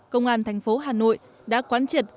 công an thành phố hà nội đã quán triệt